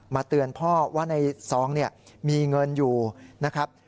เตือนพ่อว่าในซองเนี่ยมีเงินอยู่นะครับ